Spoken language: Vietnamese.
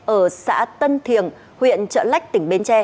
ở xã tân thiềng huyện trợ lách tỉnh bến tre